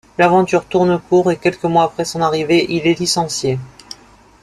L'aventure tourne court et quelques mois après son arrivée, il est licencié.